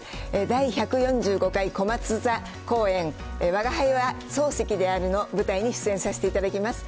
第１４５回こまつ座公演、吾輩は漱石であるの舞台に出演させていただきます。